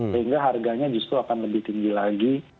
sehingga harganya justru akan lebih tinggi lagi